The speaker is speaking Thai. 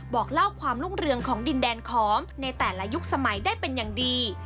บอกเล่าความรุ่งเรืองของดินแดนขอมในแต่ละยุคสมัยได้เป็นอย่างดี